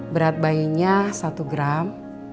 berat bayinya satu gram